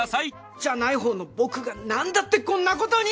じゃない方の僕がなんだってこんなことに！？